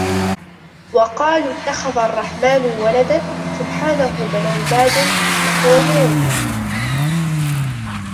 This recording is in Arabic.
وَقَالُوا اتَّخَذَ الرَّحْمَنُ وَلَدًا سُبْحَانَهُ بَلْ عِبَادٌ مُكْرَمُونَ